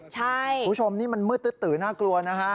ใช่คุณผู้ชมนี่มันมืดตื๊ดตื๋อน่ากลัวนะฮะ